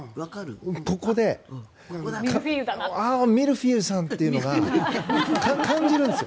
ここで、おおミルフィーユさんというのが感じるんですよ。